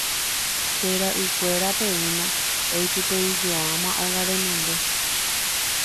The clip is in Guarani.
Che ra'ykuéra péina oitypeijoáma óga renonde.